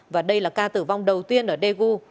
và đây là ca tử vong đầu tiên ở daegu